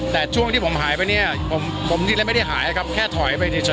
แต่ช่วงที่ผมหายไปเนี่ยผมเลยไม่ได้หายครับแค่ถอยไปเฉย